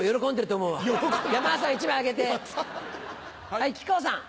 はい木久扇さん。